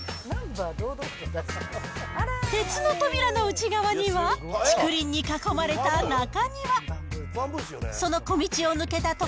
鉄の扉の内側には、竹林に囲まれた中庭。